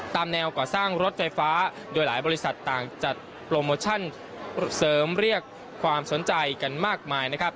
แนวก่อสร้างรถไฟฟ้าโดยหลายบริษัทต่างจัดโปรโมชั่นเสริมเรียกความสนใจกันมากมายนะครับ